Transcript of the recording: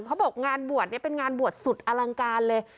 เขาบอกงานบวชเนี่ยเป็นงานบวชสุดอลังการเลย